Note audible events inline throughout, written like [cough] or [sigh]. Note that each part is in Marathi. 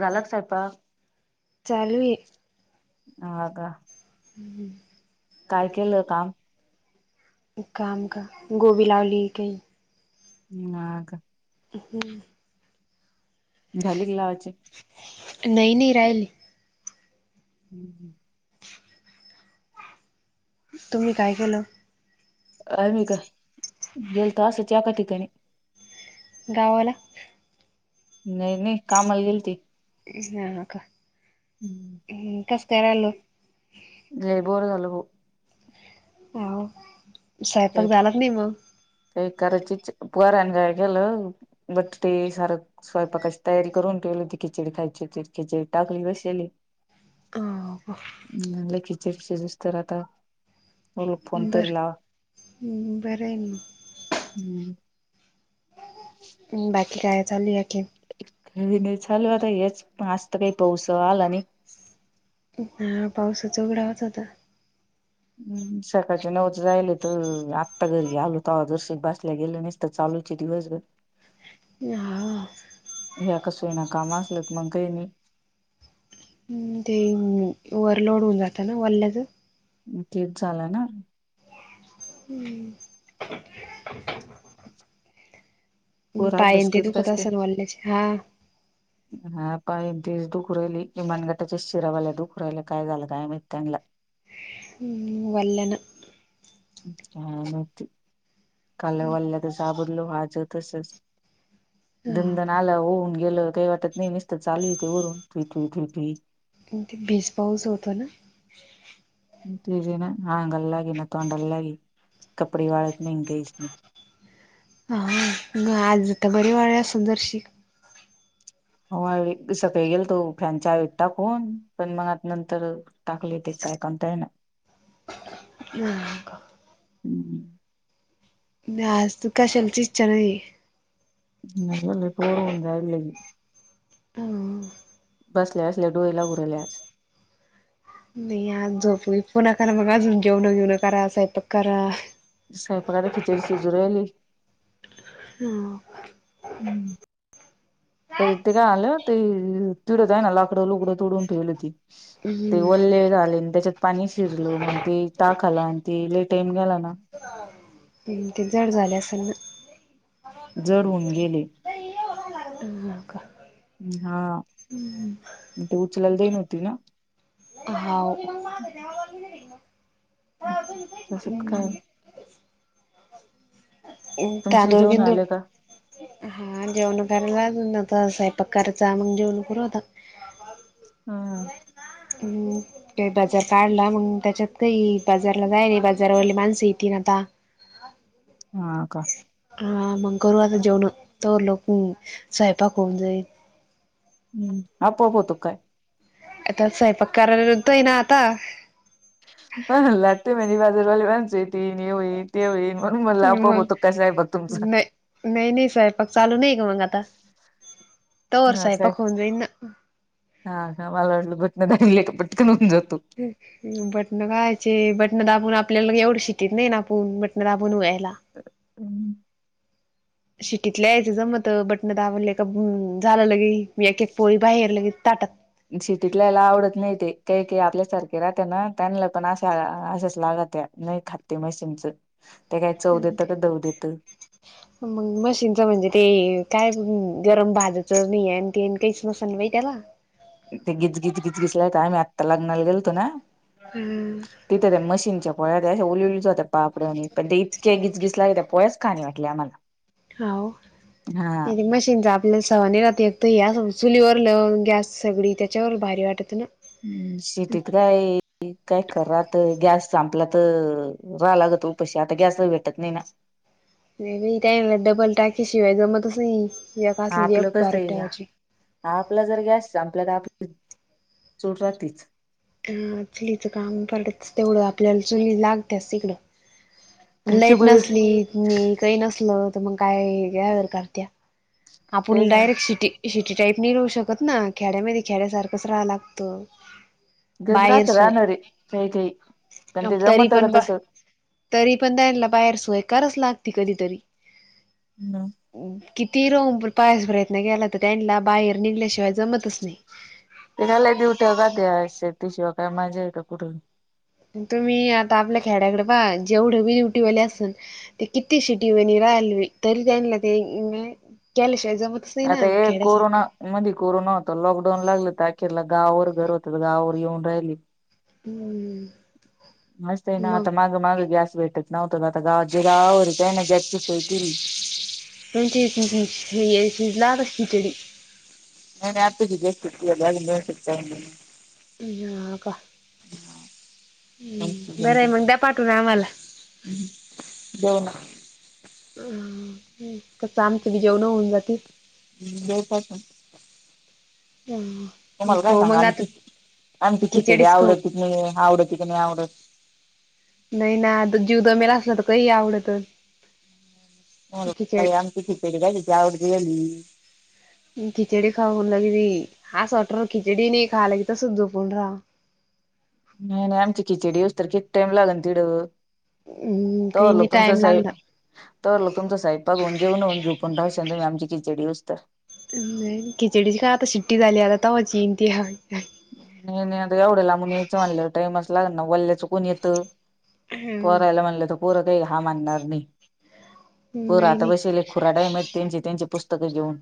झाला सयंपाक चालू हे. आहा कां. [unintelligible] काय केलं काम? काम का गोबी लावली कही नाग. [unintelligible] झाली की लावाची? नही नही राहिली [inaudible] तुम्ही काय केलं? आमी का गेल तो असच एका ठिकाणी. गावाला. नही नही कामाला गेलती. ह ह का हूं कस्काय रायलो. लयी बोर झाल भो. आ हो स्वयंपाक काही झाला का नही म. काही करायची च पोरांनी काय केलं बट्टी सार स्वयंपाकाची तयारी करून ठूवली होती, खिचडी खायची होती खिचडी टाकली बसेेल ये. हो म्हणलं खिचडी शिजूस्तर आता, म्हणलं फोन तरी लावा. हूं हूं बरं ना म. ह [unintelligible] हूं बाकी काय चालु ये अखिन. नही नही चालू आता हेच पण आज त काही पाऊस आला नही. हा पावसाचा उघडावाच होता. हूं सकाळच्या नऊचं जायल त आत्ता घरी आलो तवा जरशी गेलं नसत चालूच ये दिवसभर. [inaudible] ह्या कसय ना काम असलत मंग कही नही. ते ओव्हरलोड होऊन जातं ना वल्ल्याचं तेच झालं ना हम्म पोर अभ्यास पायन ते तू करीत कता असते सल वाल्ल्याचे हा हा पहि ती दुख राहिली किमानगटाच्या शिरावाल्या दुख राहिला काय झालं काय मित्यांला वलन का मा काल वाल्ला तर साबदल वाजवतसच हा दंदन का आलं होऊन गेल काही वाटत नाही नसत चालू ते उरूनटट ते बीस पाऊस होतो ना तेे ना हंगलागे ना तोंड लाग कपडे वाळत नाही हंग घच नाही हा आज आता बरी वाळ अस जरशी हो सगळे गेल तो फ्यांच्याठतााकन पण मग आता नंतर [unintelligible] टाकली तेच आहे काणताय ना नाही हम्म आज तु क असाल चचचार हल् पोर्व उंदल्ली हं बसल्यास लडूईला उरवल्यास आज झोप पो करा मग अजून जेवण घेवन करा स्यपाक करा ज काय पघ आता खिचडी शिजूयली ह हम् ते काय आलं ते तुडत आहे ना कड लुकडं तोडून ठेवली होती ते हम्म वल्ले झाले आणि त्याच्यात पाणी शिरल मग ते टाक आला आणि ते टाईम गेला ना ते जड झाले असताना जड होऊन गेले ह का हा ते उचलाला जाईनव्हती ना हाव हम् ह त सु काय त्याां तुमचे दोळ कि जेवण तु आले का हा जेवण करायला ना तर साहेब कयचा मग जेवण कर होता हा हम् का बाजार काढला मग त्याच्यात काही बाजारला जाय रे बाजारावरली माणसं येतील ना आता हा का हा मग गुरुता जेवण तरो लोक स्वयंपाक होऊन जाईल हम्म अ प पो तु काय आता साईपा कार विरुद्ध आहेई ना आता ह लागते म बाजारवाले माांस ती होई ते होई म्हणून मला आपआप मग होतो कस आहे बघ तुमच नाही नाही नाही साहेब पग चालू नाही का मग आता तरर साहे साहेब प खवन ना हा हा मला वाटलं भट दले एक पटकन होऊन जातो बटन काायचे बटन दाबून आपल्याला एवढं शिटत नाही ना आपण बटन दाबून वयला हम् शिटीतल्या यायचं जमत बटण दाबले का झालं लगे मी एक एक पोळी बाहेर लगे ताटत शिटीतलायला आवडत नाही ते काही काही आपल्यासारखे राहते ना त्यांना पण अशा असशाच लागत या नाही खाते मशीिनचं ते काय चव देत का दव देत मग मशीनचं म्हणजे ते काय गरम भाजूचं नाही आणि ते आणि काहीच नसाल बाहि त्याला ते गीतगीत गीत गीसलाय आम् आत्ता लग्नाला गेलतो ना हम्म तिथे त्या मशीनच्या पोळ्या त्या अे ओललेली जात पापड आणि पण ते इतक्या गिचगीस लागे त्या पो्याच खाणी वाट मला हो दि मशीन जा सवानी राहात एकत या चुलीवर ल गॅस सगळी त्याच्यावर भारी वाटत ना हम्म शेटत काय काय खात गॅस संपला तर राला लाग त उपशी आता गॅस भेटत नाही ना ट डबल टाकेशिवाय जमतच नाही असलेली आपलं एक भ कसं आहे ठेवायची आपला जर गॅस आपल्या तर आपली चूट राहलीच अ चुलीचं काम करत तेवढं आपल्याला चुली लागतेस तिकडं लाईट त्याच्यामुळे नसली काही नसल तर मग काय या वरकारत्या आपण ते डायरेक्ट सिटी सिटी टाईप नि राहू शकत ना खेड्यामध्ये खेड्यासारखंच राहा लागतं ग बाहेर राात रानवरी सोय काही काही घंट तरी जमत का पण बा तस तरी पण दला बाहेर स्ोयकारच लागते कधीतरी हम् किती र पायास प्रयत्न केला तर त्यांला बाहेर निघल्याशिवाय जमतच नाही ते खाला उठ का ते त शिवाय काय मजा येत कुठून तुम्ही आता आपल्या खेड्याकडे पा जेवढं बी निुटीवाले असेल ते कितीशीेटी वणी राहिल तरी त्यांना तेल्याशिवा स् ना खे साक मध्ये कोरोना होता लॉकडाऊन लागलं तर अखेरला गावावर घर होत गावावर येऊन राहिली हम्म मस्त आहे ना मग आता माग माग गॅस भेटत नव्हत का आता गावज गावर काय ना जाचीच हो तरी म्हणज लागशी चली नाही नाही आपची ज सु सु ह का आणि ह हम्म बरं आहे मग द्या पाठवून आम्हाला ब क च आमची भिजेव न होज की ह् बवपासून ह तुम्हाला काय खाऊ सांगा मग आता आमचीि आमचीि खिचेडी खिचडीच खाऊ आवडत क नाही आवडत की नाही आवडत नाही ना आता जीव दमेला असला तर काही आवडतच हो आमचीचीपेडली खिचडी खाऊन लागली अस वाटण राहिल खिचडी नाही खायलागे तसच झोपून राहव नाही नाही आमची खिचडी होत तवर किती टाइम लागल ना तिड वं हम्म काही तोला नाही तुमचं टाइम लागला साईब तोवरला तुमचा साहेब बागऊन जेवन होऊन झोपून राहशील आमची खिचडी होततवर नाही खिचडीची काय आता शिट्टी झाली आता तवाची इनती हान नाही नाही आता एवढं लाबून यायचं म्हणले टाइम असं लाग ना वल्ल्याचं कोण येतं पोराला म्हणलं तर पोरं काही हा म्हणणार नाही पोर नाही आता नाही बसवलेत खुराड्यामध्ये त्यांची त्यांची पुस्तकं घेऊन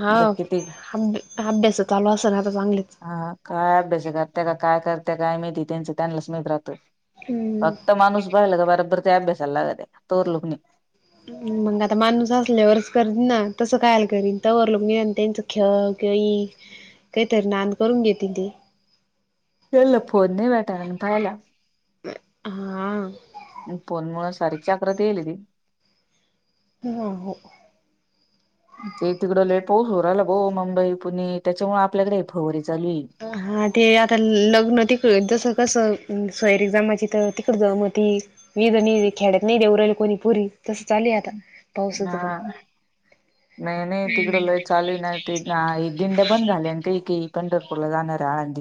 हा आता किती अभ अभ्यास चालू असाल ना आता चांगलेच हा काय अभ्यास करते का काय करते काय माहिती त्यांचं त्यांलाच माहित राहत हम्म फक्त मानुस बहल का बरबरते अभ्यासला लागते तवर लोक नाही हम्म मग आता माणूस असल्यावरच करत ना तसं कायल करीन तवर लोके त्यांचं ख क काहीतर नान करून घेतील ते केला फोन नाही भेटायला पाहिला हा फोनमुळ सारी चक्रत येईली ती ह हो [unintelligible] ते तिकड ल पोस हो राला बो मुंबई पुणे त्याच्यामुळे आपल्याकडे फवारी चालू हा ते आता लग्न तिकड जसं कसं सयरीजामाची तर तिकड जमती विध नाही दे खेड्यात नाही देऊ राहिल कोणी पुरी तस चालली आता पावसाच पण हा नाही नाही तिकडं लोय चालू नाही दिंड्या बंद झाल्या ते की पेटरक त नणाररा आळाज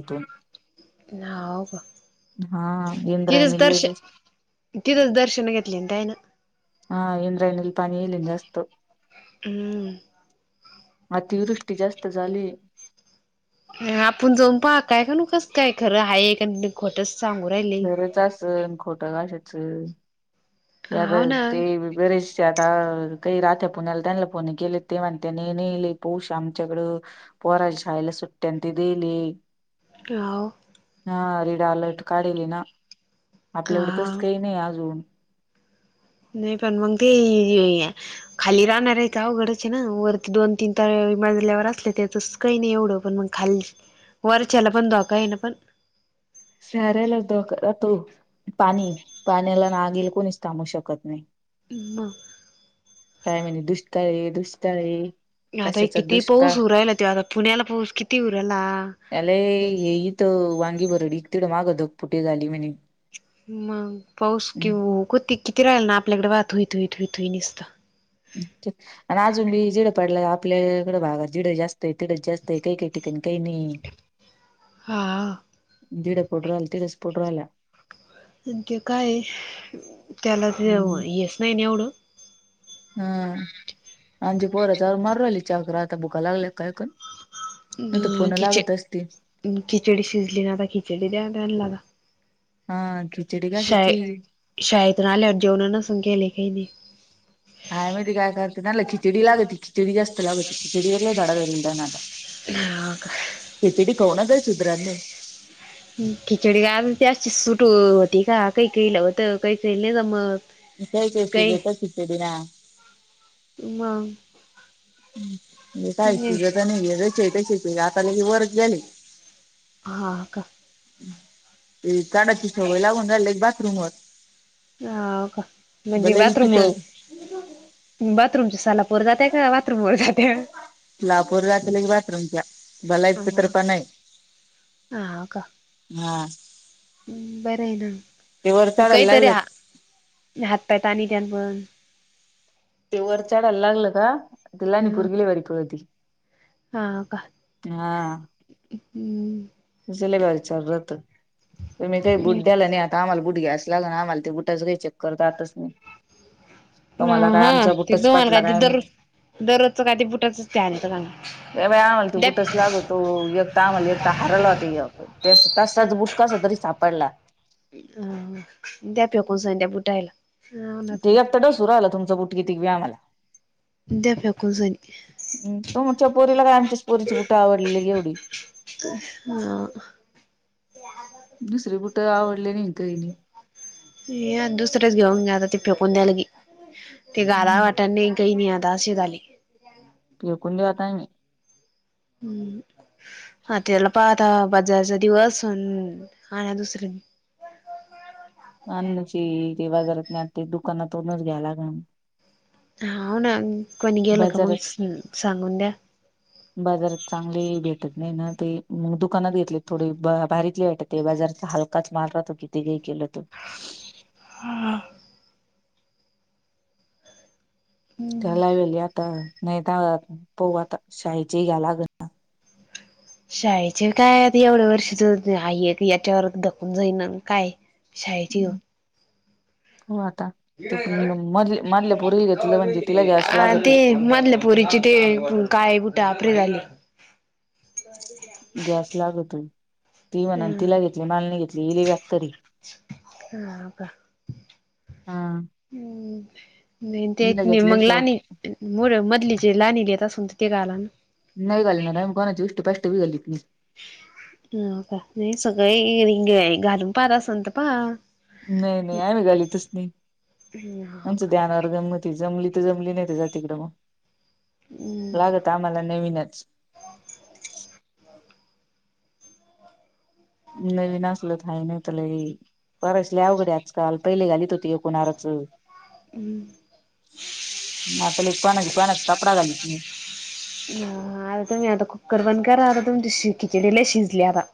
नाव का हा तिथंच इंद्रायणी लय दर्श जास्त तिथंच दर्शन घेतलेय ना ताईन हा इंद्रायणीला पाणी येलेल जास्त असतं हम्म अतिवृष्टी जास्त झालीय आपण जाऊन पाह काय का कसं काय खरं आहे का खोटच सांगू राहिले [unintelligible] खोटशाच आता हाव ना ते बरे आता काही राहत्या पुण्याला त्यांना फोन केले ते म्हणत्यात लय पाऊस आहे आमच्याकडं पोराच्या शाळेला सुट्ट्या ते दिले होव हा रेड आलर्ट काढिले ना आपल्याकडे हा तस काही नाही अजून नाही पण मग ते खाली राहणार आहे का अवघडच आहे ना वरती दोन तीन तर मजल्यावर असले त्याचच काही नाही एवढं पण मग खाल्ली वरच्याला पण धोका आहे ना पण सारायलाच धोका राहतो पाणी पाण्याला आणि आगेला कोणीच थांबू शकत नाही हो ना काय म्हणजे दुष्काळी दुष्काळी आता किती पाऊस उरायला त्यो आता पुण्याला पाऊस किती उराला यालाय हेथ वांगी भरडी तडे मागं ढग फुटी झाली म्हणे मग पाऊस कि ओ कोती किती राहील ना आपल्याकडे राहिला ओ थुई थुई थुई थुई निसता [inaudible] आणि अजून बी जिड पाडला आपल्याकड भागात जिड जास्त आहे तिड जास्त आहे काही काही ठिकाणी काही नाही [inaudible] हा तिकड पडुन राहिला तिखडच पडुन राहिला आणि ते काय त्याला ते हेच नाही एवढं हम्म अजी पोराच्या मारुन राहिली चहा कर आता भुका लागल्या कायकण अ खिच खिचडी शिजली ना तर खिचडी द्या त्यांना आता हा खिचडी घ असची शाळेतून आल्यावर जेवणा नसन केले काही नाही हायमध्ये काय करते त्यांला खिचडी लागत खिचडी जास्त लागत खिचडीवर झाधडा नाला हा का. तेितीीडी कोवणा गय सुध्रांन खिचडी गा तेशी सुट ठीक का काही काही ला वोत काही केहील नाही मग काय केस जेत शिचडी ना ह हे काय सुझता नाहीट आता ल की वरग गली हा का ते झाडाची सवय लागून झाली एक बाथरूम वर हा का. म्हणजे बला इ बाथरूम पितार बाथरूमच्या सालापोर जाते का बाथरूम वर जाते लापूर रातले की बाथरूमच्या बलायच तर पण नाही ह का हम्म बर आहे ते वर ना चढायला काहीतरी लागलं हात पाय तानी त्यान पण ते वरच्या अडला लागलं का न ते पोरगी लय भारी पळती हां का त सले विचारत मी काही बुडड्याला आणि आ आता आम्हाला बुट घ्यायं लाग ना आम्हाला ते बुटाचंही चकर जातच नाही त ह मला काय हा आमचा ते बुटठच दोम्हाला काय पाठटला ते कायमही दररोज दररोजचं काय ते बुटाचच ते आणत का अ बा आम्हाल त द्या बुटच लागत तो एक तर आम्हाल एक हारलाते तसा बुट कसातरी सापडला अ द्या पे कोण स द्या बुठायला ते आता डसू राहिला तुमच बुट क तिक व्याम मला द्या फेकून सनी तुमच्या या पोरीला काय आमच्याच पोरीची बुटा आवडली एवढी तर हा दुसरे बुटं आवडले नाही काही नाही ये दुसरेच घेऊन गेता ते फेकून द्यायला गी ते घाला हम्म. वाटात नी काय नि आधास झाली पिरकुंडी वाता मी हम् हा त्याला पाहता बाजाराचा दिवस आण दुसरे अन्णाची ते बाजारात नाहीते दुकानातूननच घ्यायला ग हा ना कोणी गेलं का मग बाजारात सांगून द्या बाजारात चांगली भेटत नाही ना तेग दुकानात घेतले थोडे भारीतले भेटत ते बाजारचा हलकाच माल राहतो किती काही केलं त हम्म त्याला वेली आता नाही पाऊ आता शाहीची घ्यालाग शाळेचे काय आता एवढ्या वर्षीच आई याच्यावर धकून जाईन काय शायळती हो हम्म. हो आता तेध मधल्या पूरीला घेतलं म्हणजे तिला घ्यासं लागतच मजल्या पोरीची ते काळे बुट आपरे झाले गॅस लागत हो ती म्हणा हम्म तिला घेतली मालणी घेतली इले व्याक तरी हा आ का हा हम् नाही ते हिला येत नाही मग घेतल्याशिवाय लाणी मुड मधली जे लाणी ल येत असून तर ते ग आला ना नाही घालणार कोणाची उष्टी पाष्टी व विघालीत नाही ह का नाही सगळी रिंग घालून पार असत प नाही नाही आम्ही घालीतच नाही हो आमचं का ध्यानावर गमत जमली तर जमली नाही ज तिकडे मग हम्म. लागत आम्हाला नवीनच नवीन असल तर हा नाही त ल परसल्या अवघड आजकाल पहिले घालीत होती कणारारच ह मग आपण कोण कोणाचा कपडा घालत नाही ह आता तुम्ही आता कुकर बण क आता तुमच्या खिचडीला शिजले आता